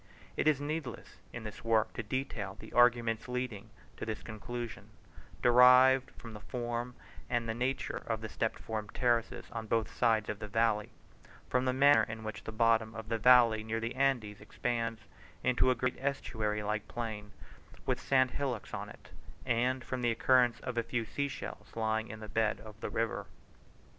It is needless in this work to detail the arguments leading to this conclusion, derived from the form and the nature of the step formed terraces on both sides of the valley, from the manner in which the bottom of the valley near the Andes expands into a great estuary like plain with sand hillocks on it, and from the occurrence of a few sea shells lying in the bed of the river.